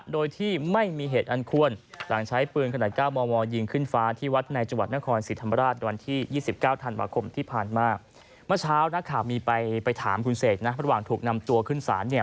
โดยที่ไม่มีเหตุอันควรหลังใช้ปืนขณะเก้ามมยิงขึ้นฟ้า